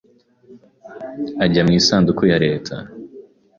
ajya mu isanduku ya Leta